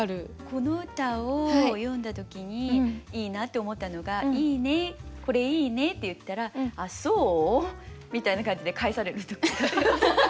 この歌を読んだ時にいいなって思ったのが「いいねこれいいね」って言ったら「あっそう？」みたいな感じで返される時。